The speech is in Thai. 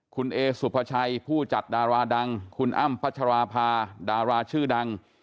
คุณเอสุภาชัยผู้จัดดาราดังคุณอ้ำพัชราภาดาราชื่อดัง